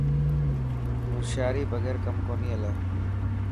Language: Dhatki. هوشيري بگير ڪم ڪونهي هلي.